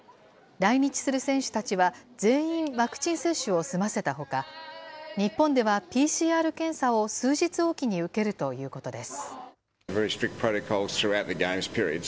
来日する選手たちは、全員ワクチン接種を済ませたほか、日本ではＰＣＲ検査を数日置きに受けるということです。